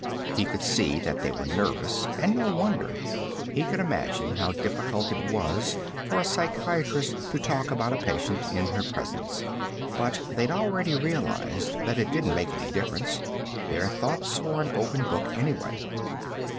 He could see that they were nervous, and no wonder; he could imagine how difficult it was for a psychiatrist to talk about a patient in her presence. But they'd already realized that it didn't make any difference; their thoughts were an open book, anyway.